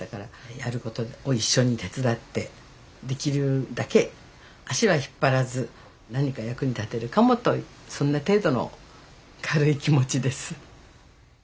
やることを一緒に手伝ってできるだけ足は引っ張らず何か役に立てるかもとそんな程度の軽い気持ちです。